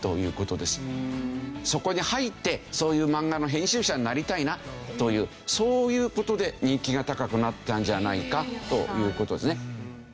そこに入ってそういうマンガの編集者になりたいなというそういう事で人気が高くなったんじゃないかという事ですね。